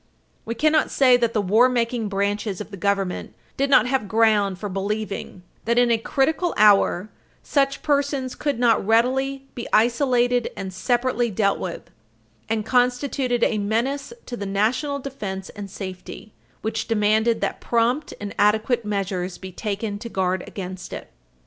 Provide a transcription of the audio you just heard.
We cannot say that the war making branches of the Government did not have ground for believing that, in a critical hour, such persons could not readily be isolated and separately dealt with, and constituted a menace to the national defense and safety which demanded that prompt and adequate measures be taken to guard against it."